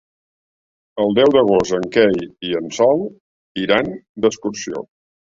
El deu d'agost en Quel i en Sol iran d'excursió.